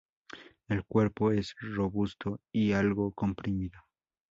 El cuerpo es robusto y algo comprimido.